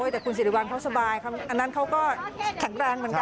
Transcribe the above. แต่คุณสิริวัลเขาสบายอันนั้นเขาก็แข็งแรงเหมือนกัน